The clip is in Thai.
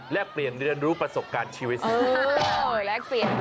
เปลี่ยนเรียนรู้ประสบการณ์ชีวิต